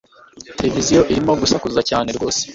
Televiziyo irimo gusakuza cyane rwose